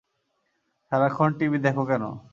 সারাক্ষন টিভি দেখ কেনো?